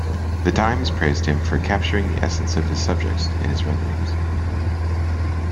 "The Times" praised him for "capturing the essence of his subjects" in his renderings.